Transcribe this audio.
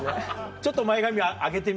ちょっと前髪上げてみ。